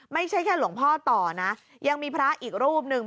ไม่ใช่แค่หลวงพ่อต่อนะยังมีพระอีกรูปหนึ่ง